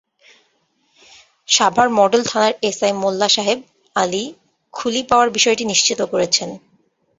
Savar model থানার SI Molla Soheb Ali খুলি পাওয়ার বিষয়টি নিশ্চিত করেছেন।